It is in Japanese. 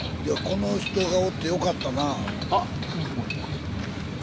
この人がおってよかったな。